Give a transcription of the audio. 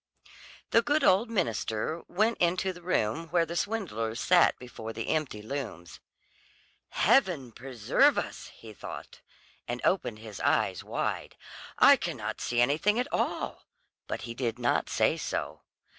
The good old minister went into the room where the swindlers sat before the empty looms. "Heaven preserve us!" he thought, and opened his eyes wide, "I cannot see anything at all," but he did not say so.